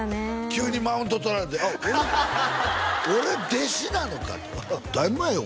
急にマウント取られて「俺弟子なのか？」とだいぶ前よ